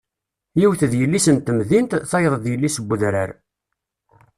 Yiwet d yelli-s n temdint, tayeḍ d yelli-s n wedrar.